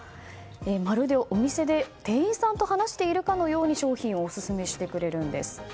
まるでお店で店員さんと話しているかのように商品をオススメしてくれるんです。